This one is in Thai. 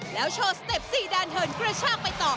แล้วโชว์สติปสี่ด้านเทินกระชากไปต่อ